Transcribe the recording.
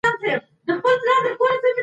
نو انسان ناروغه کېږي.